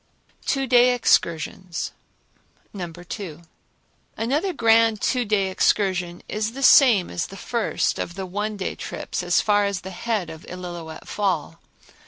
Two Day Excursions No. 2. Another grand two day excursion is the same as the first of the one day trips, as far as the head of Illilouette Fall.